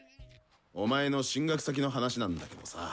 お前の進学先の話なんだけどさ。